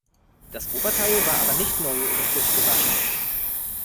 Das Oberteil war aber nicht neu oder frisch gewaschen.